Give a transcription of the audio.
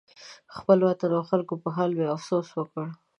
د خپل وطن او خلکو په حال مې افسوس وکړ.